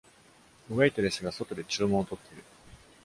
ウェイトレスが外で注文を取っている。